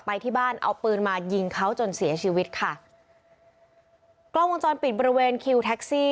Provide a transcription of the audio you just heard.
ไปที่บ้านเอาปืนมายิงเขาจนเสียชีวิตค่ะกล้องวงจรปิดบริเวณคิวแท็กซี่